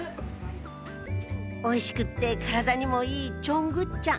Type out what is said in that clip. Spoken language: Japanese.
おいしくって体にもいいチョングッチャン。